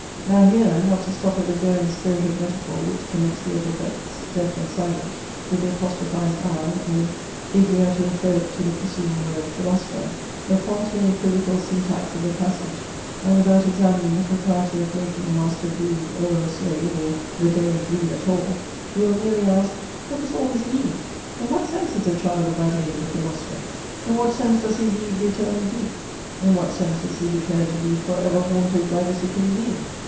Now here, not to stop at the daring spirit of metaphor which connects the epithets "deaf and silent," with the apostrophized eye: or (if we are to refer it to the preceding word, "Philosopher"), the faulty and equivocal syntax of the passage; and without examining the propriety of making a "Master brood o'er a Slave," or "the Day" brood at all; we will merely ask, what does all this mean? In what sense is a child of that age a Philosopher? In what sense does he read "the eternal deep?" In what sense is he declared to be "for ever haunted" by the Supreme Being?